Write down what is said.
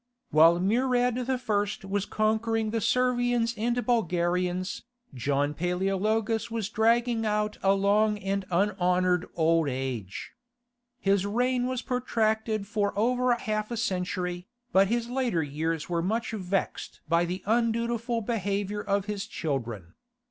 While Murad I. was conquering the Servians and Bulgarians, John Paleologus was dragging out a long and unhonoured old age. His reign was protracted for over half a century, but his later years were much vexed by the undutiful behaviour of his children.